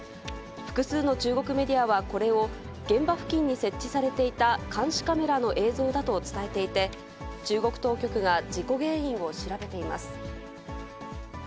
複数の中国メディアはこれを現場付近に設置されていた、監視カメラの映像だと伝えていて、中国当局が事故原因を調べています。